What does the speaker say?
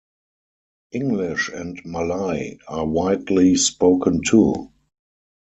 English and Malay are widely spoken too.